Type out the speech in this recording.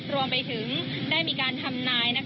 รวมไปถึงได้มีการทำนาย